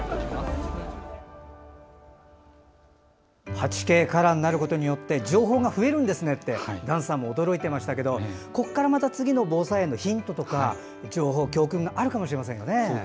８Ｋカラーになることによって情報が増えるんですねって段さんも驚いていましたがここからまた次の防災へのヒントとか教訓があるかもしれませんね。